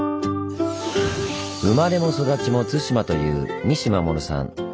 生まれも育ちも対馬という西護さん。